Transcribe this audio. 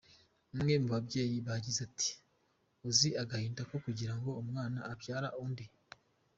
Umwe mu b’ababyeyi yagize ati “Uzi agahinda ko kugirango umwana abyara undi.